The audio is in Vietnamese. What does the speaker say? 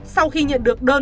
sau khi nhận được đơn